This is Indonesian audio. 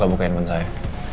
jangan buka bukain manjain